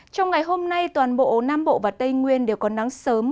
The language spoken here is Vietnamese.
trong ngày hôm nay toàn bộ nam bộ và tây nguyên đều có nắng sớm